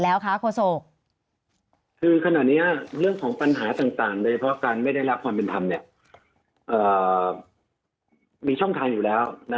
สวัสดีครับทุกคน